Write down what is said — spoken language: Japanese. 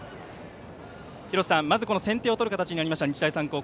廣瀬さん、まず先手を取る形になりました日大三高。